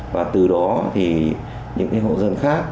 và từ đó thì những cái hộ dân khác